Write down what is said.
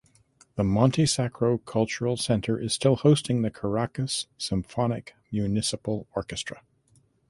The Monte Sacro Cultural Centre is still hosting the Caracas Symphonic Municipal Orchestra.